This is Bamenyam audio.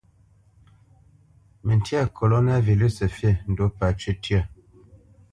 Mǝ́ntya koloná vilʉsǝ fi ndú pǝ́ cywítyǝ́.